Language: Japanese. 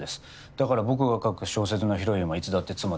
だから僕が書く小説のヒロインはいつだって妻です。